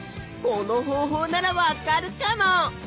この方法ならわかるかも！